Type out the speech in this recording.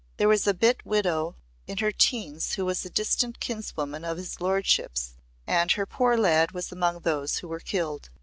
There was a bit widow in her teens who was a distant kinswoman of his lordship's, and her poor lad was among those who were killed.